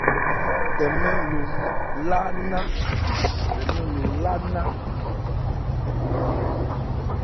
Tɛmɛ̂ lo lá nná.